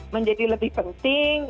menjadi lebih penting